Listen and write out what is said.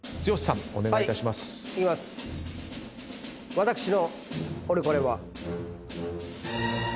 私のオレコレは。